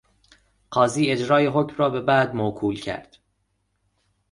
قاضی اجرای حکم را به بعد موکول کرد.